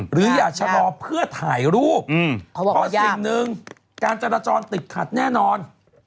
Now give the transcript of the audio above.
หรืออย่าชะลอเพื่อถ่ายรูปเพราะสิ่งหนึ่งการจราจรติดขัดแน่นอน